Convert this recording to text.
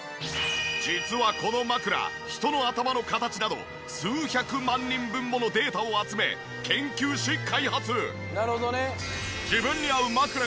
実はこの枕人の頭の形など数百万人分ものデータを集め研究し開発。